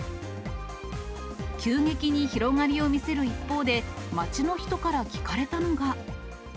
急激に広がりを見せる一方で、街の人から聞かれたのが。